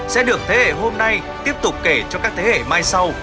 sẽ được thế hệ hôm nay tiếp tục kể cho các thế hệ mai sau